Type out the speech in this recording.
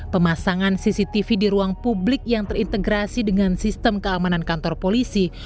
pemasangan cctv di ruang publik yang terintegrasi dengan sistem keamanan kantor polisi